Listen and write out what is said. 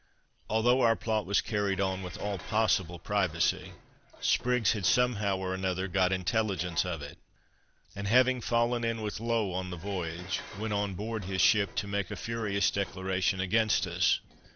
Although our plot was carried on with all possible privacy, Spriggs had somehow or other got intelligence of it; and having fallen in with Low on the voyage, went on board his ship to make a furious declaration against us.